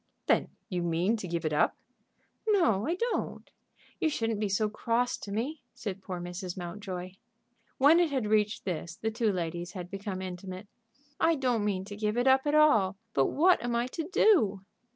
"Then you mean to give it up?" "No, I don't. You shouldn't be so cross to me," said poor Mrs. Mountjoy. When it had reached this the two ladies had become intimate. "I don't mean to give it up at all; but what am I to do?"